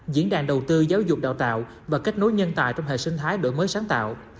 diễn đàn đầu tư giáo dục đào tạo và kết nối nhân tài trong hệ sinh thái đổi mới sáng tạo